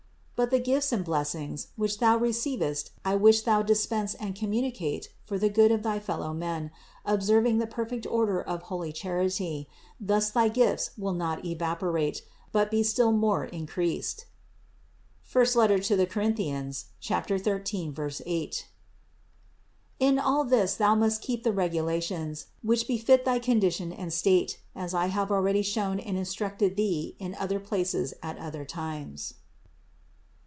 But the gifts and blessings, which thou receivest I wish thou dispense and communicate for the good of thy fellow men, observing the perfect order of holy charity; thus thy gifts will not evaporate, but be still more increased (I Cor. 13, 8). In all this thou must keep the regula tions, which befit thy condition and state, as I have already shown and instructed thee in other places at other times.